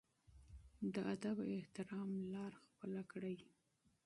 د ادب او احترام لار خپله کړي.